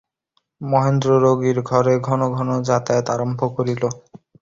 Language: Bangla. মহেন্দ্র রোগীর ঘরে ঘনঘন যাতায়াত আরম্ভ করিল।